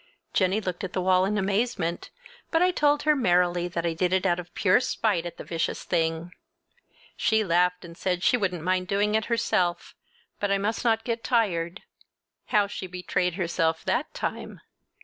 Jennie looked at the wall in amazement, but I told her merrily that I did it out of pure spite at the vicious thing. She laughed and said she wouldn't mind doing it herself, but I must not get tired. How she betrayed herself that time!